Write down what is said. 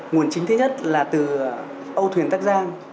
nguồn chính thứ nhất là từ âu thuyền tắc giang